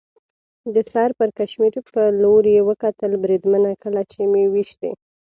د سر پړکمشر په لور یې وکتل، بریدمنه، کله چې مې وېشتی.